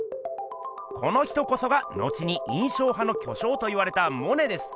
この人こそが後に印象派の巨匠といわれたモネです。